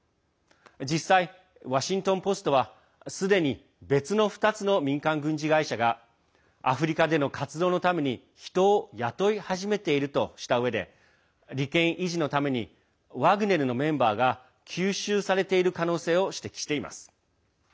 実際、ワシントン・ポストはすでに別の２つの民間軍事会社がアフリカでの活動のために人を雇い始めているとしたうえで利権維持のためにワグネルのメンバーが吸収されている可能性を指摘しています。